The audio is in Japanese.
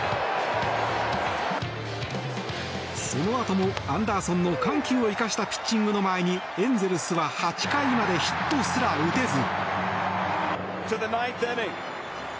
そのあともアンダーソンの緩急を生かしたピッチングの前にエンゼルスは８回までヒットすら打てず。